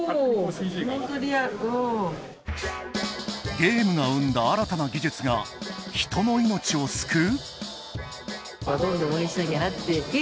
ゲームが生んだ新たな技術が人の命を救う？